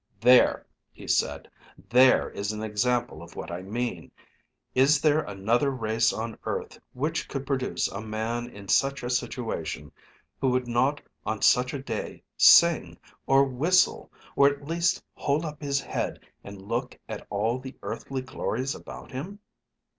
"There!" he said. "There is an example of what I mean. Is there another race on earth which could produce a man in such a situation who would not on such a day sing, or whistle, or at least hold up his head and look at all the earthly glories about him?"